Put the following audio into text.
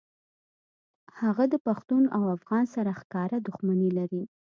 هغه د پښتون او افغان سره ښکاره دښمني لري